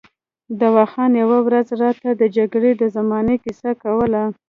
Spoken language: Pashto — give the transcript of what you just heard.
دوا خان یوه ورځ راته د جګړې د زمانې کیسه کوله.